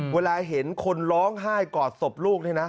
เวลาเห็นคนร้องไห้กอดศพลูกนี่นะ